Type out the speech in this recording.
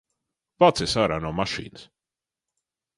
Vācies ārā no mašīnas!